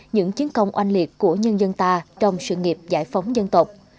những chiến công oanh liệt của nhân dân ta trong sự nghiệp giải phóng dân tộc